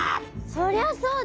そりゃそうです。